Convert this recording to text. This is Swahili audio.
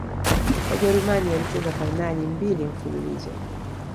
wajerumani walicheza fainali mbili mfululizo